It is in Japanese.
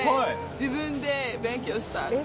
自分で勉強したんです。